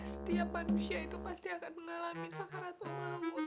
setiap manusia itu pasti akan mengalami sakaratul maut